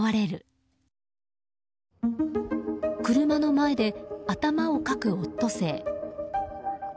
車の前で頭をかくオットセイ。